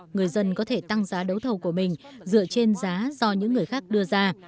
người dân có thể tăng giá đấu thầu của mình dựa trên giá do những người khác đưa ra